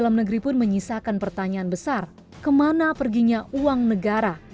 dan saya mengisahkan pertanyaan besar kemana perginya uang negara